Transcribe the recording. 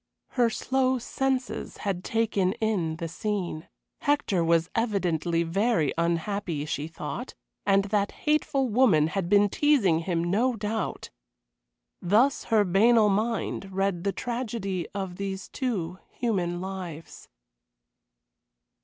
Her slow senses had taken in the scene. Hector was evidently very unhappy, she thought, and that hateful woman had been teasing him, no doubt. Thus her banal mind read the tragedy of these two human lives.